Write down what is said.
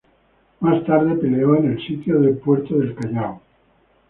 Más tarde peleó en el sitio del puerto del Callao.